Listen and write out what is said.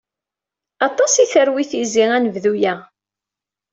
Aṭas i terwi tizit, anebdu-a.